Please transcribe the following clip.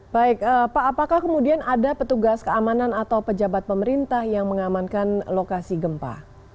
baik pak apakah kemudian ada petugas keamanan atau pejabat pemerintah yang mengamankan lokasi gempa